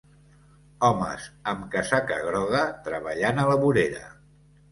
Homes amb casaca groga treballant a la vorera.